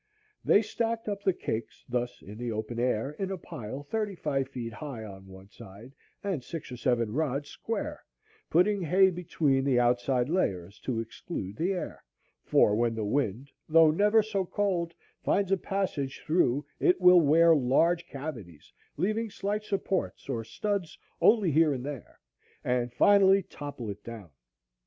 They stacked up the cakes thus in the open air in a pile thirty five feet high on one side and six or seven rods square, putting hay between the outside layers to exclude the air; for when the wind, though never so cold, finds a passage through, it will wear large cavities, leaving slight supports or studs only here and there, and finally topple it down.